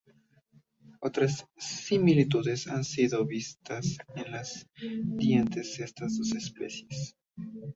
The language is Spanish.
Otras similitudes han sido vistas en los dientes de las dos especies.